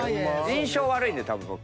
印象悪いんで多分僕。